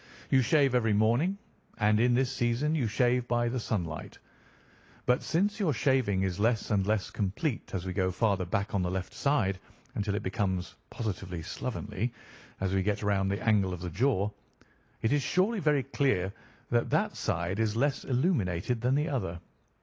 You shave every morning, and in this season you shave by the sunlight; but since your shaving is less and less complete as we get farther back on the left side, until it becomes positively slovenly as we get round the angle of the jaw, it is surely very clear that that side is less illuminated than the other.